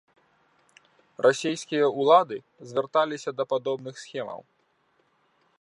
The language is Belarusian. Расійскія ўлады звярталіся да падобных схемаў.